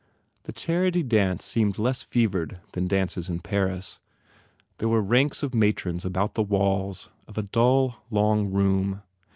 The charity dance seemed less fevered than dances in Paris. There were ranks of matrons about the walls of a dull, long room.